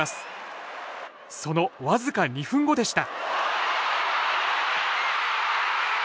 その僅か２分後でした